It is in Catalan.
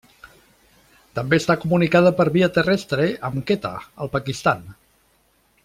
També està comunicada per via terrestre amb Quetta, al Pakistan.